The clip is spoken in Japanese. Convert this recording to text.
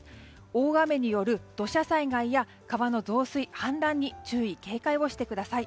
大雨による土砂災害や川の増水・氾濫に注意・警戒をしてください。